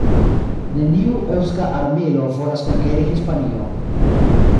Neniu eŭska armilo volas konkeri Hispanion".